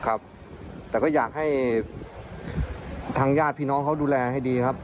ครับแต่ก็อยากให้ทางญาติพี่น้องเขาดูแลให้ดีครับ